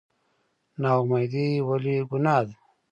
نااميدي ولې ګناه ده؟